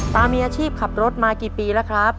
ตามีอาชีพขับรถมากี่ปีแล้วครับ